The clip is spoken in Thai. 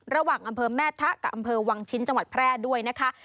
อำเภอแม่ทะกับอำเภอวังชิ้นจังหวัดแพร่ด้วยนะคะ